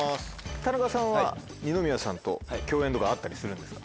田中さんは二宮さんと共演とかあったりするんですか？